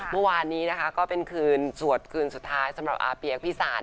เมื่อวานนี้ก็เป็นคืนสวดคืนสุดท้ายสำหรับออพีศพี่สาน